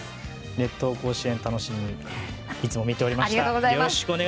「熱闘甲子園」を楽しみにいつも見ていました。